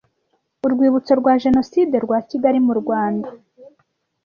Urwibutso rwa Jenoside rwa Kigali mu Rwanda